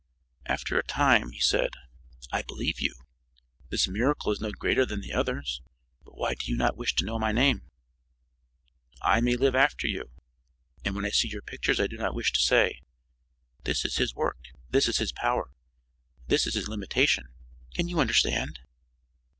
After a time he said: "I believe you. This miracle is no greater than the others. But why do you not wish to know my name?" "I may live after you, and when I see your pictures I do not wish to say: 'This is his work; this is his power; this is his limitation.' Can you understand?"